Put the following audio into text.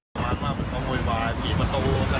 ปีบประตูธนาคารอะไรอย่างเงี้ยค่ะใช่ครับปีบแล้วมันเหมือนว่า